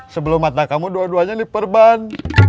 sebelum mata kamu dua duanya diperban